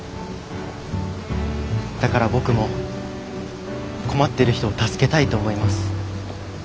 だから僕も困ってる人を助けたいと思います。